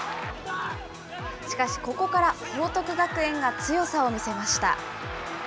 しかし、ここから報徳学園が強さを見せました。